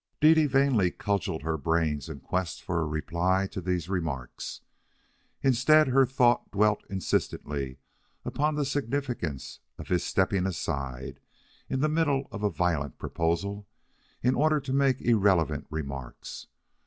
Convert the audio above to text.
Dede vainly cudgeled her brains in quest of a reply to these remarks. Instead, her thought dwelt insistently upon the significance of his stepping aside, in the middle of a violent proposal, in order to make irrelevant remarks.